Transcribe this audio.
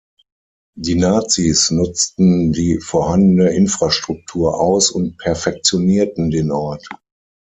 Die Nazis nutzten die vorhandene Infrastruktur aus und „perfektionierten“ den Ort.